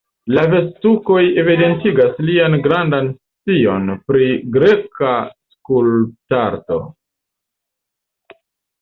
La vest-tukoj evidentigas lian grandan scion pri greka skulptarto.